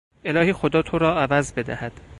الهی خدا تو را عوض بدهد!